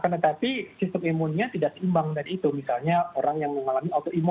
tetapi sistem imunnya tidak seimbang dari itu